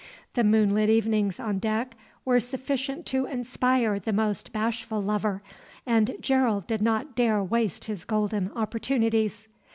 The moonlit evenings on deck were sufficient to inspire the most bashful lover, and Gerald did not dare waste his golden opportunities.